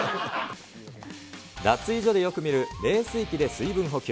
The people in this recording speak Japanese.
脱衣所でよく見る冷水器で水分補給。